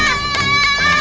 gak mau kali